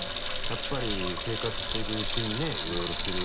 やっぱり生活していくうちにねいろいろ知る。